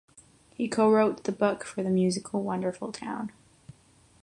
He co-wrote the book for the musical "Wonderful Town".